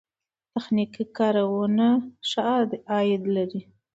تخنیکي کارونه ښه عاید لري.